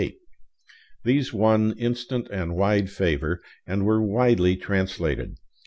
These won instant and wide favor, and were widely translated.